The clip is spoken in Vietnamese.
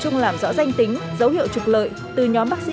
ngồi ở trái